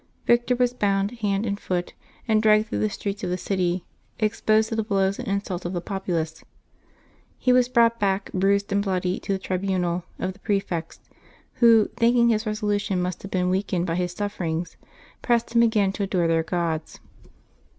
Victor was bound hand and foot and dragged through the streets of the city, ex posed to the blows and insults of the populace. He was brought back bruised and bloody to the tribunal of the pre fects, who, thinking his resolution must have been weak ened by his sufferings, pressed him again to adore their gods.